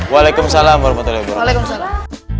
waalaikumsalam warahmatullah waalaikumsalam